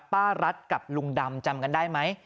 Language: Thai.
ป้ารัฐกับลุงดำจำกันได้ไหม